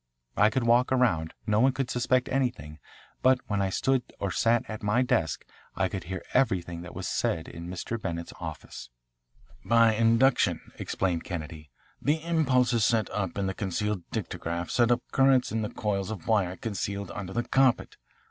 I could walk around; no one could suspect anything; but when I stood or sat at my desk I could hear everything that was said in Mr. Bennett's office." "By induction," explained Kennedy. "The impulses set up in the concealed dictograph set up currents in these coils of wire concealed under the carpet.